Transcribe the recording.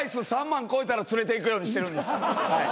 ３万超えたら連れていくようにしてるんです。